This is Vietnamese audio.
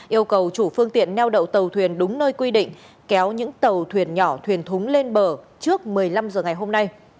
yêu cầu chủ phương tiện neo đậu tàu thuyền đúng nơi quy định kéo những tàu thuyền nhỏ thuyền thúng lên bờ trước một mươi năm h ngày hôm nay